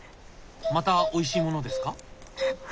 またおいしいものですか？